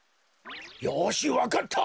よしわかった。